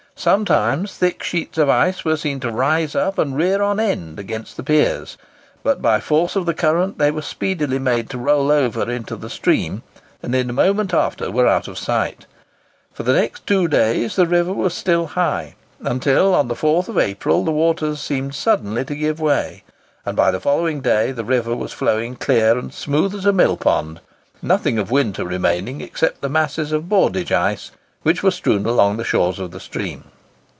Sometimes thick sheets of ice were seen to rise up and rear on end against the piers, but by the force of the current they were speedily made to roll over into the stream, and in a moment after were out of sight. For the two next days the river was still high, until on the 4th April the waters seemed suddenly to give way, and by the following day the river was flowing clear and smooth as a millpond, nothing of winter remaining except the masses of bordage ice which were strewn along the shores of the stream.